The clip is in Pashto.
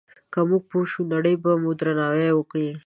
که موږ پوه شو، نړۍ به مو درناوی وکړي.